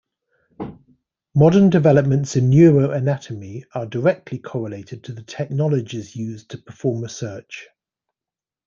Modern developments in neuroanatomy are directly correlated to the technologies used to perform research.